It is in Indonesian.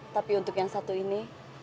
tapi untuk yang satu ini